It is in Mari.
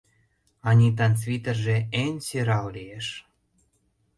— Анитан свитерже эн сӧрал лиеш.